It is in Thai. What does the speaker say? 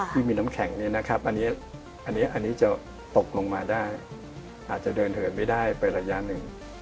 ที่มีน้ำแข็งเนี่ยนะครับอันนี้จะตกลงมาได้อาจจะเดินเหินไม่ได้ไประยะหนึ่ง